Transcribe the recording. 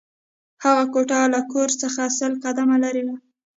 هغه کوټه له کور څخه سل قدمه لېرې وه